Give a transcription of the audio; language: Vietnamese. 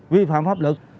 vi phạm pháp luật